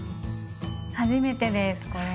初めてですこれ。